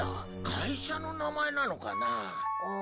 会社の名前なのかな？